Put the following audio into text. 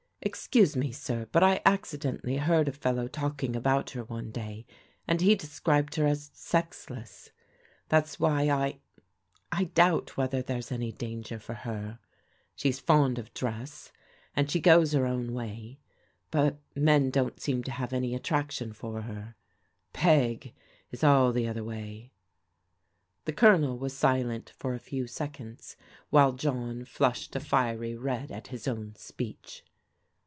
Excuse me, sir, but I accidentally heard a fellow talking about her one day, and he described her as sexless. That's why I — I doubt whether there's any danger for her. SJ7e'5 fond of dress, and she goes Vi^t 90 PRODIGAL DAUGHTERS own way ; but men don't seem to have any attraction for her. Peg is all the other way." The Colonel was silent for a few seconds, while John flushed a fier\' red at his own speech.